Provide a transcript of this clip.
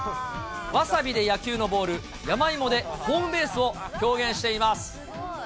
わさびで野球のボール、山芋でホームベースを表現しています。